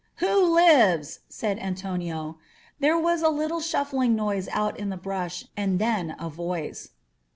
"Who lives ?" said Antonio. There was a little shuf fling noise out in the brush, and then a voice.